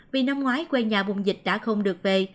vì năm ngoái quê nhà vùng dịch đã không được về